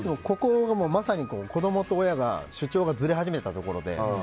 ここが、まさに子供と親の主張がずれ始めたところで。